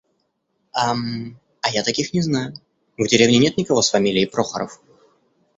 Ам, а я таких не знаю. В деревне нет никого с фамилией Прохоров.